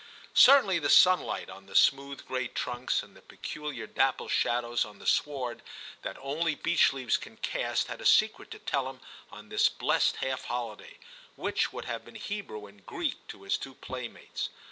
Certainly the sunlight on the smooth gray VII TIM 153 trunks, and the peculiar dappled shadows on the sward that only beech leaves can cast, had a secret to tell him on this blest half holiday, which would have been Hebrew and Greek to his two playmates.